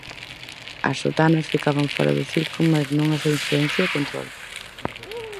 As sotanas ficaban fóra do Circo mais non a súa influencia e control.